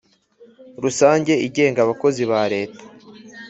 rusange igenga abakozi ba leta